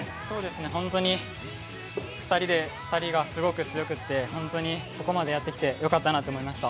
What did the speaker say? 本当に、２人がすごく強くて本当にここまでやってきてよかったなと思いました。